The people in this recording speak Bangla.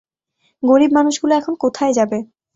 গরিব মানুষগুলো এখন কোথায় যাবে?